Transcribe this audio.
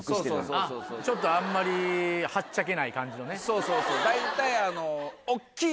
そうそうそう大体。